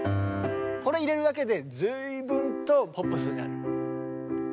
これ入れるだけで随分とポップスになる。